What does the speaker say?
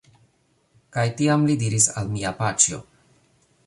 Kaj tiam li diris al mia paĉjo: